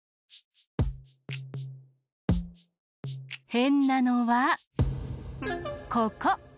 へんなのはここ！